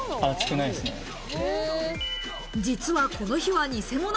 実はこの火は偽物。